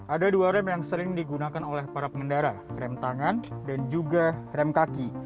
ada dua rem yang sering digunakan oleh para pengendara rem tangan dan juga rem kaki